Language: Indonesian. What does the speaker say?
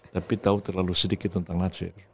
tapi tahu terlalu sedikit tentang nasir